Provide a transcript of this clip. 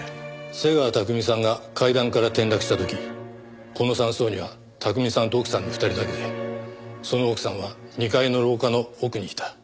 瀬川巧さんが階段から転落した時この山荘には巧さんと奥さんの２人だけでその奥さんは２階の廊下の奥にいた。